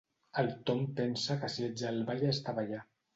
El Tom pensa que si ets al ball has de ballar.